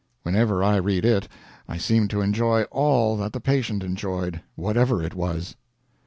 Whenever I read it I seem to enjoy all that the patient enjoyed whatever it was: 3.